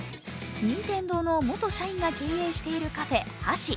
任天堂の元社員が経営しているカフェ８４。